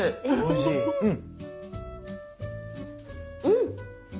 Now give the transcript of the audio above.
うん。